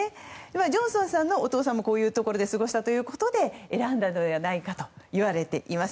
ジョンソンさんのお父さんもこういうところで過ごしたということで選んだのではないかといわれています。